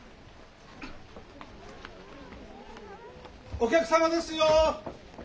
お客様ですよ！